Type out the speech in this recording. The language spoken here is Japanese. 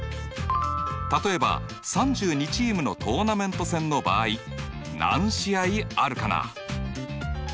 例えば３２チームのトーナメント戦の場合何試合あるかな？